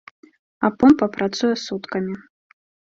А помпа працуе суткамі.